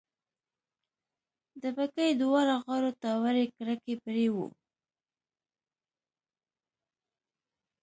د بګۍ دواړو غاړو ته وړې کړکۍ پرې وې.